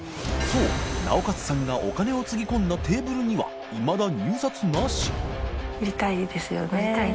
修直克さんがお金をつぎ込んだテーブルにはい泙入札なし光美さん）